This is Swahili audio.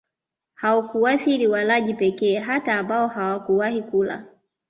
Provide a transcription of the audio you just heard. haukuathiri walaji pekee hata ambao hawakuwahi kula